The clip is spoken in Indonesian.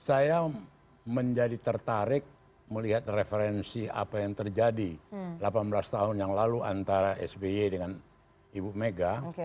saya menjadi tertarik melihat referensi apa yang terjadi delapan belas tahun yang lalu antara sby dengan ibu mega